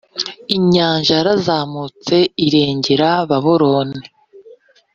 inyanja yarazamutse irengera babuloni